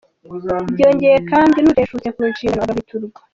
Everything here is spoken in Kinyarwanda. Byongeye kandi n’uteshutse ku nshingano agahwiturwa.